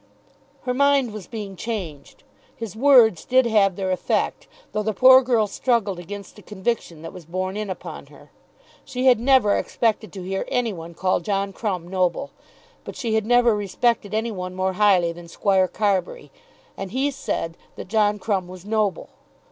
Her mind was being changed. His words did have their effect, though the poor girl struggled against the conviction that was borne in upon her. She had never expected to hear any one call John Crumb noble. But she had never respected any one more highly than Squire Carbury, and he said that John Crumb was noble.